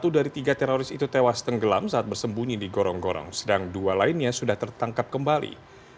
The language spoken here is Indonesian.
satu dari tiga teroris itu tewas tenggelam saat bersembunyi di gorong gorong sedang dua lainnya sudah tertangkap kembali